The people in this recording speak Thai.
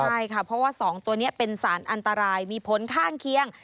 ใช่ค่ะเพราะว่า๒ตัวนี้เป็นสารอันตรายมีผลข้างเคียง